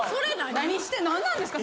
何してるんですか？